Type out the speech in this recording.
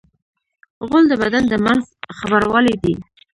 غول د بدن د منځ خبروالی دی.